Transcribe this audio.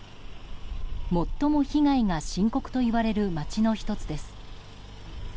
最も被害が深刻といわれる街の１つです。